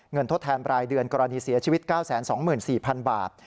ทดแทนรายเดือนกรณีเสียชีวิต๙๒๔๐๐๐บาท